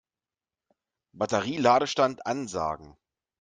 Batterie-Ladestand ansagen.